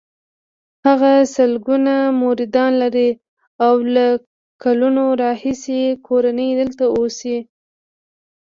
هغه سلګونه مریدان لري او له کلونو راهیسې یې کورنۍ دلته اوسي.